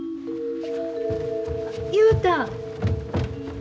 雄太。